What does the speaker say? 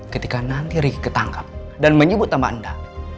ketika nanti riki ketangkap dan menyebut tambah anda